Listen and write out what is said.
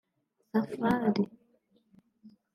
Safari